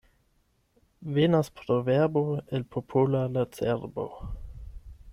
Venas proverbo el popola la cerbo.